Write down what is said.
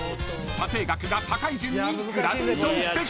［査定額が高い順にグラデーションしてください］